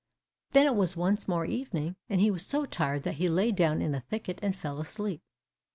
Then it was once more evening, and he was so tired that he lay down in a thicket and fell asleep.